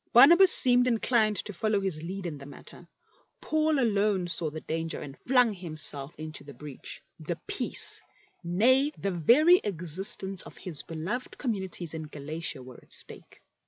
Barnabas seemed inclined to follow his lead in the matter; Paul alone saw the danger and flung himself into the breach. The peace, nay, the very existence of his beloved communities in Galatia, were at stake.